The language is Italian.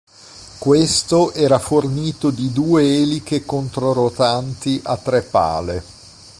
Questo era fornito di due eliche controrotanti a tre pale.